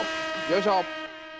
よいしょ！